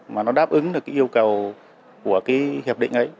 mà nó đáp ứng được cái yêu cầu của cái hiệp định ấy